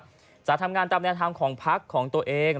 สาธารณ์ทำงานตามแนวทางของภักดิ์ของตัวเอง